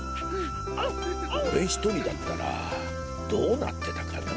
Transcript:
俺ひとりだったらどうなってたかな？